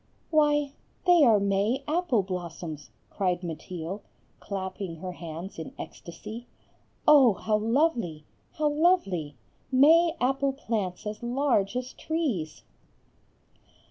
"Why, they are May apple blossoms," cried Mateel, clapping her hands in ecstasy, "Oh, how lovely! how lovely! May apple plants as large as trees."